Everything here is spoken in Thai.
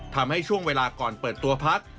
ทำให้ช่วงเวลาก่อนเปิดตัวพัก